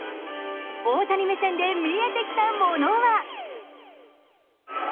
大谷目線で見えてきたものは。